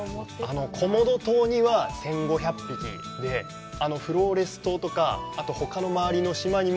コモド島には１５００匹で、フローレス島とか、あとほかの周りの島にも。